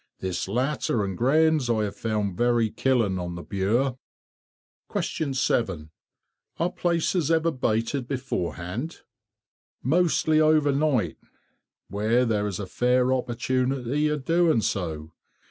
This latter and grains I have found very killing on the Bure. 7. Are places ever baited beforehand? Mostly overnight, where there is a fair opportunity of doing so.